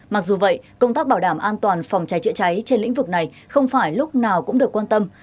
mặc dù vậy công tác bảo đảm an toàn phòng cháy chữa cháy trên lĩnh vực này không phải lúc nào cũng được quan tâm